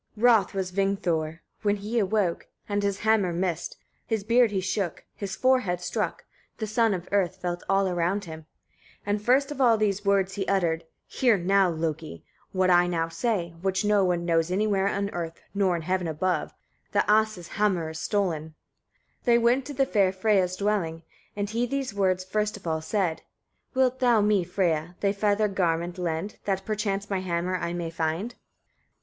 1. Wroth was Vingthor, when he awoke, and his hammer missed; his beard he shook, his forehead struck, the son of earth felt all around him; 2. And first of all these words he uttered: "Hear now, Loki! what I now say, which no one knows anywhere on earth, nor in heaven above; the As's hammer is stolen!" 3. They went to the fair Freyia's dwelling, and he these words first of all said: "Wilt thou me, Freyia, thy feather garment lend, that perchance my hammer I may find?"